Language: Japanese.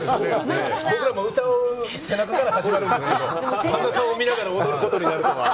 僕らも歌う背中から始まるんですけど、神田さんを見ながら踊ることになるとは。